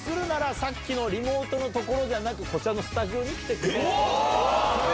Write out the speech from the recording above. さっきのリモートの所じゃなく、こちらのスタジオに来てください。